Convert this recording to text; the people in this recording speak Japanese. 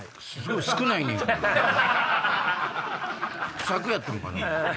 不作やったんかな。